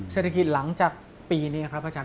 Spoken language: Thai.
เศรษฐกิจหลังจากปีนี้ครับอาจาร